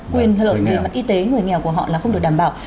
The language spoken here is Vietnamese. quyền hợp với mặt y tế người nghèo của họ là không được đảm bảo